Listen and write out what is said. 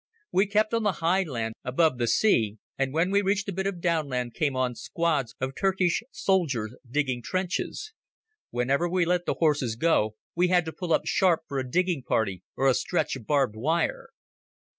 We kept on the high land above the sea, and when we reached a bit of downland came on squads of Turkish soldiers digging trenches. Whenever we let the horses go we had to pull up sharp for a digging party or a stretch of barbed wire.